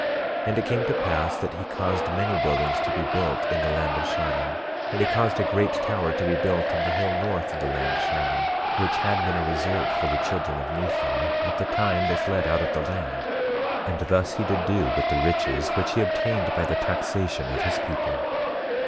11:13 And it came to pass that he caused many buildings to be built in the land Shilom; and he caused a great tower to be built on the hill north of the land Shilom, which had been a resort for the children of Nephi at the time they fled out of the land; and thus he did do with the riches which he obtained by the taxation of his people.